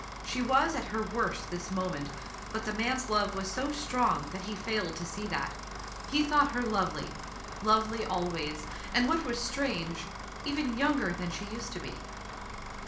She was at her worst this moment, but the man's love was so strong that he failed to see that. He thought her lovely lovely always, and what was strange, even younger than she used to be.